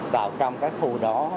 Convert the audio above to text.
vào trong cái khu đó